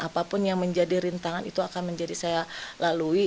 apapun yang menjadi rintangan itu akan menjadi saya lalui